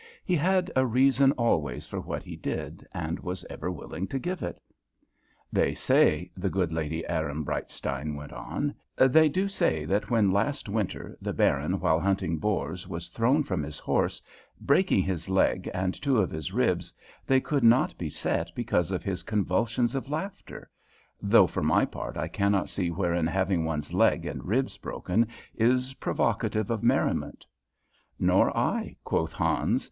He had a reason always for what he did, and was ever willing to give it. "They say," the good Lady Ehrenbreitstein went on "they do say that when last winter the Baron while hunting boars was thrown from his horse, breaking his leg and two of his ribs, they could not be set because of his convulsions of laughter, though for my part I cannot see wherein having one's leg and ribs broken is provocative of merriment." "Nor I," quoth Hans.